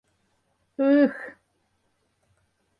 Ых!